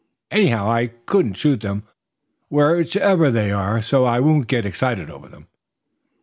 "Anyhow I couldn't shoot them, whichever they are, so I won't get excited over them."